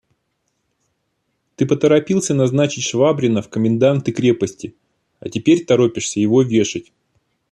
– Ты поторопился назначить Швабрина в коменданты крепости, а теперь торопишься его вешать.